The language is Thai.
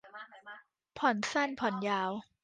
ผ่อนสั้นผ่อนยาว